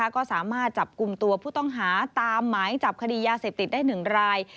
ก็สามารถจับกลุ่มตัวผู้ต้องหาตามหมายจับคดียาเสพติดได้๑ราย